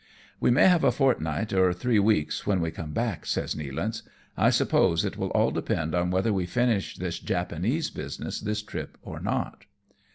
" We may have a fortnight or three weeks when we come back," says Nealance, " I suppose it will all depend on whether we finish this Japanese business this trip or not."